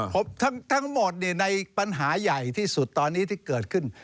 ทั้งหมดในปัญหาใหญ่ที่สุดตอนนี้ที่เกิดขึ้น